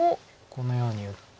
このように打って。